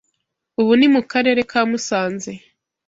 ubu ni mu Karere ka Musanze.